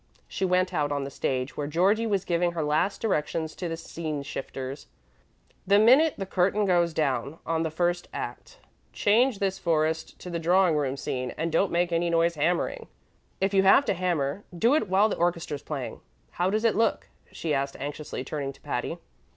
She went out on the stage, where Georgie was giving her last directions to the scene shifters. "The minute the curtain goes down on the first act change this forest to the drawing room scene, and don't make any noise hammering. If you have to hammer, do it while the orchestra's playing. How does it look?" she asked anxiously, turning to Patty.